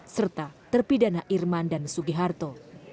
serta terpidana irman dan sugiharto